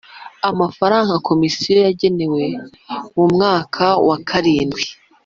Amafaranga Komisiyo yagenewe mu mwaka wa karindwi